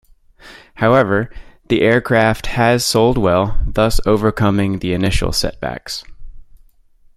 However, the aircraft has sold well thus overcoming the initial setbacks.